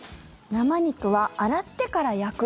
生肉は洗ってから焼く。